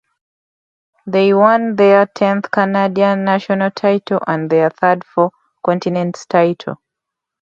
They won their tenth Canadian national title and their third Four Continents title.